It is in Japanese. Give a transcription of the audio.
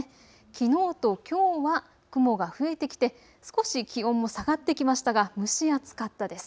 きのうときょうは雲が増えてきて少し気温も下がってきましたが蒸し暑かったです。